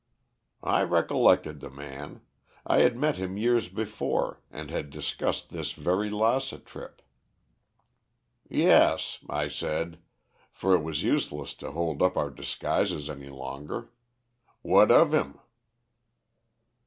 "I recollected the man. I had met him years before, and had discussed this very Lassa trip. "'Yes,' I said, for it was useless to hold up our disguises any longer. 'What of him?'